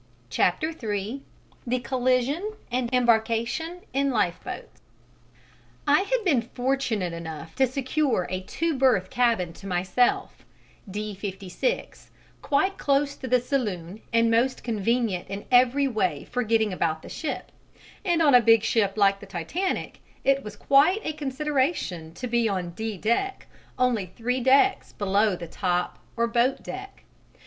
CHAPTER III THE COLLISION AND EMBARKATION IN LIFEBOATS I had been fortunate enough to secure a two berth cabin to myself, D 56, quite close to the saloon and most convenient in every way for getting about the ship; and on a big ship like the Titanic it was quite a consideration to be on D deck, only three decks below the top or boat deck.